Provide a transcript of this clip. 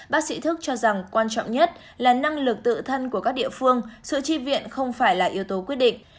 bác sĩ thức cho rằng quan trọng nhất là năng lực tự thân của các địa phương sự tri viện không phải là yếu tố quyết định